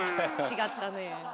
違ったねえ。